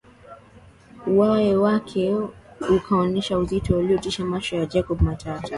Uao wake ukaonesha uzito uliotisha macho ya Jacob Matata